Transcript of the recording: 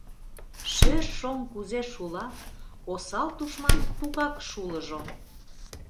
Шӧр шоҥ кузе шула, осал тушман тугак шулыжо.